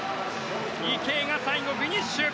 池江が最後フィニッシュ。